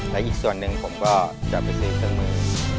และอีกส่วนหนึ่งผมก็จะไปซื้อเครื่องมือ